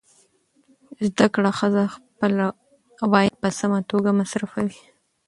زده کړه ښځه خپل عواید په سمه توګه مصرفوي.